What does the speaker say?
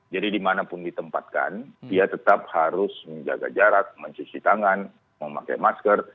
jadi dimanapun ditempatkan dia tetap harus menjaga jarak mencuci tangan memakai masker